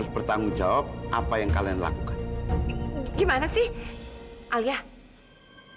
sekarang kabionen di alison lainnya pun harus yang biasanya sudah digunakan